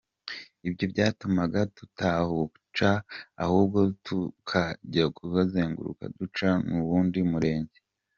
Ibyo byatumaga tutahaca ahubwo tukajya kuzenguruka duca muwundi murenge.